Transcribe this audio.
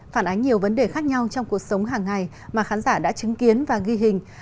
phản ánh nhiều vấn đề khác nhau trong cuộc sống hàng ngày mà khán giả đã chứng kiến và ghi hình